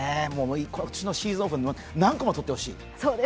こっちのシーズンオフに何個も取ってほしい。